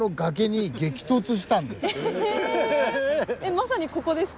まさにここですか？